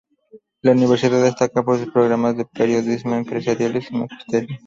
La universidad destaca por sus programas de periodismo, empresariales, y magisterio.